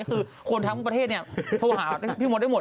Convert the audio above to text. คือคนทั้งประเทศเนี่ยโทรหาพี่มดได้หมด